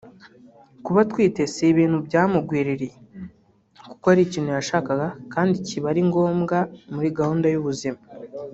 Kuba atwite si ibintu byamugwirirye kuko ari ikintu yashakaga kandi kiba ari ngombwa muri gahunda y’ubuzima